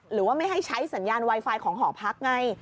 หรือว่าไม่ให้ใช้สัญญาณไวไฟของหอพักไง